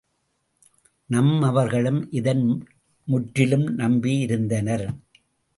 நம்மவர்களும் இதன் முற்றிலும் நம்பி இருந்தனர்.